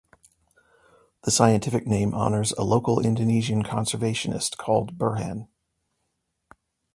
The scientific name honours a local Indonesian conservationist called Burhan.